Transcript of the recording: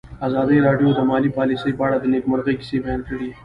ازادي راډیو د مالي پالیسي په اړه د نېکمرغۍ کیسې بیان کړې.